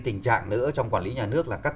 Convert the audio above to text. tình trạng nữa trong quản lý nhà nước là các